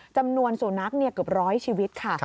จำนวนสูนักเกือบร้อยชีวิตค่ะ